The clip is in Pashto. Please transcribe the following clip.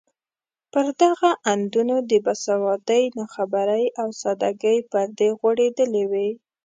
پر دغو اندونو د بې سوادۍ، ناخبرۍ او سادګۍ پردې غوړېدلې وې.